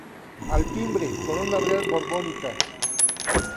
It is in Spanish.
Al timbre, corona real borbónica.